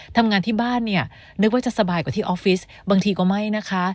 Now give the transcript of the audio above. ทำงานที่บ้านเนี่ยนึกว่าจะสบายกว่าที่ออฟฟิศบางทีก็ไม่นะคะ